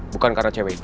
bukan karena cewek itu